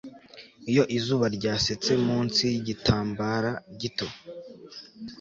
Iyo izuba ryasetse munsi yigitambara gito